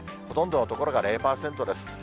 ほとんどの所が０％です。